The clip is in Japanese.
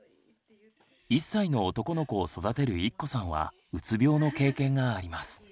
１歳の男の子を育てるいっこさんはうつ病の経験があります。